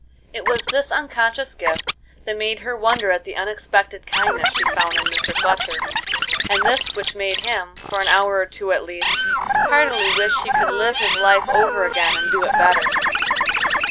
It was this unconscious gift that made her wonder at the unexpected kindness she found in Mr. Fletcher, and this which made him, for an hour or two at least, heartily wish he could live his life over again and do it better.